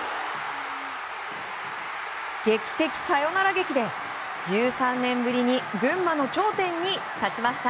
劇的サヨナラ劇で１３年ぶりに群馬の頂点に立ちました。